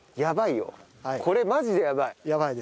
これマジでやばい！